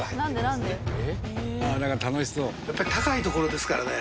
やっぱり高い所ですからね。